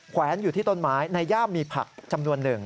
แวนอยู่ที่ต้นไม้ในย่ามมีผักจำนวนหนึ่ง